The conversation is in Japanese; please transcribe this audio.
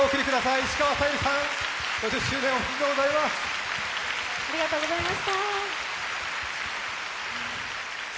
石川さゆりさん、５０周年おめでとうございます。